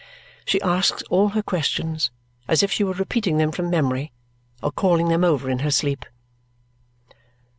She asks all her questions as if she were repeating them from memory or calling them over in her sleep.